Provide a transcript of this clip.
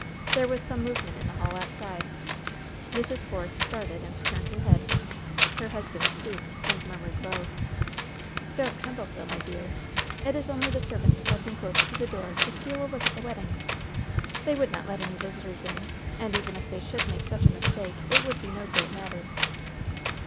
There was some movement in the hall outside, Mrs. LOVE'S BITTEREST CUP 85 Force started and turned her head. Her husband stooped and murmured low: "DonH tremble so, my dear ! It is only the servants pressing close to the door to steal a look at the wedding. They would not let any visitors in. And even if they should make such a mistake, it would be no great mat ter!"